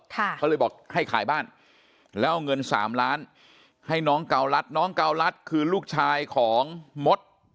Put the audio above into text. เขาเลยบอกให้ขายบ้านแล้วเอาเงินสามล้านให้น้องเการัฐน้องเการัฐคือลูกชายของมด